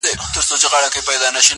o چي ټوله ورځ ستا د مخ لمر ته ناست وي.